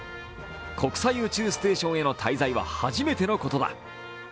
国際宇宙ステーションへの滞在は初めてのことだ。